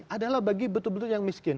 adalah bagi betul betul yang miskin